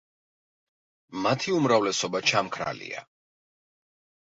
მათი უმრავლესობა ჩამქრალია.